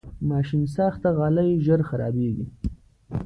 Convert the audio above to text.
ماشینساخته غالۍ ژر خرابېږي.